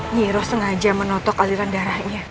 nyiro sengaja menotok aliran darahnya